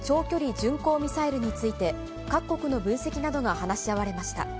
巡航ミサイルについて、各国の分析などが話し合われました。